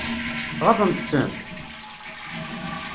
Ɣaḍent-tent?